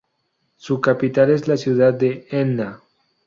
Su capital es la ciudad de Enna.